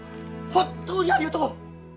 本当にありがとう！